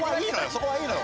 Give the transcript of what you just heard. そこはいいのよ。